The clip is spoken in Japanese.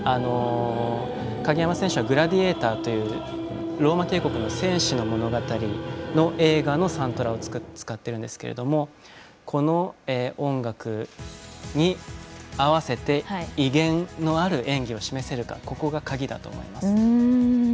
鍵山選手は「グラディエーター」というローマ帝国の戦士の物語の映画のサントラを使っているんですけどこの音楽に合わせて威厳のある演技を示せるか、ここが鍵だと思います。